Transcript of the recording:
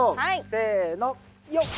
せのよっ。